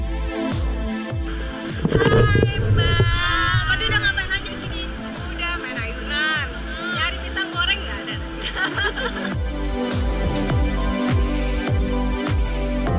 sudah main airan nyari kita goreng tidak ada